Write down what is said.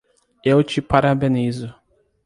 Eu te parabenizo